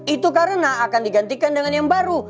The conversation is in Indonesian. itu karena akan digantikan dengan yang baru